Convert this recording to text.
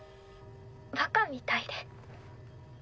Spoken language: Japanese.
バカみたいで。